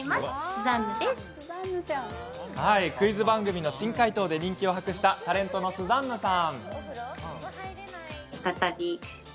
クイズ番組の珍解答で人気を博したタレントのスザンヌさん。